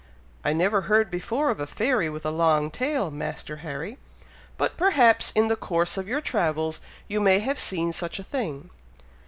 "I never heard before of a fairy with a long tail, Master Harry; but perhaps in the course of your travels you may have seen such a thing."